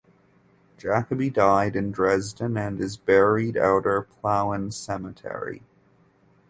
Jacobi died in Dresden and is buried Outer Plauen Cemetery.